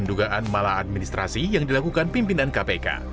dugaan malah administrasi yang dilakukan pimpinan kpk